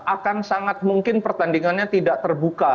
akan sangat mungkin pertandingannya tidak terbuka